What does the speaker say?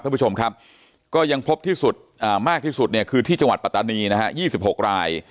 ท่านผู้ชมครับก็ยังพบที่สุดมากที่สุดคือที่จังหวัดปะตะนี๒๖ราย